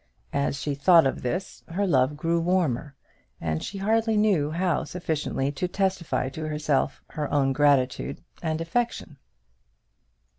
As she thought of this her love grew warmer, and she hardly knew how sufficiently to testify to herself her own gratitude and affection.